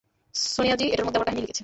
সোনিয়াজি এটার মধ্যে আমার কাহিনি লিখেছে।